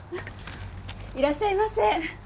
いらっしゃいませ。